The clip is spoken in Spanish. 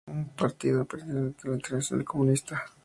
Nació como un partido perteneciente a la Internacional Comunista.